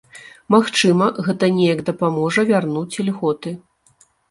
Магчыма, гэта неяк дапаможа вярнуць ільготы.